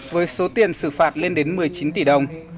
với số tiền xử phạt lên đến một mươi chín tỷ đồng